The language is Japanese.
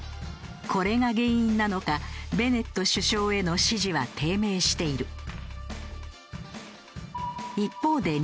これが原因なのかベネット首相への支持は低迷している。